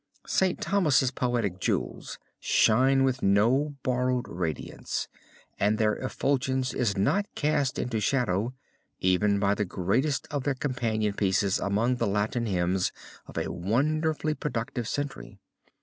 St. Thomas' poetic jewels shine with no borrowed radiance, and their effulgence is not cast into shadow even by the greatest of their companion pieces among the Latin hymns of a wonderfully productive century.